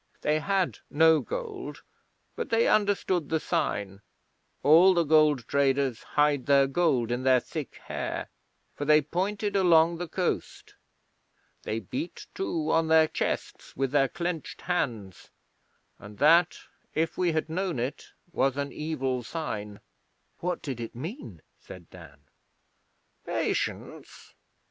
They had no gold, but they understood the sign (all the gold traders hide their gold in their thick hair), for they pointed along the coast. They beat, too, on their chests with their clenched hands, and that, if we had known it, was an evil sign.' 'What did it mean?' said Dan. 'Patience.